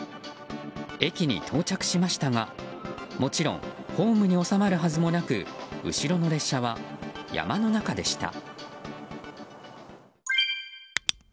駅に到着しましたが、もちろんホームに収まるはずもなく後ろの列車は山の中でした。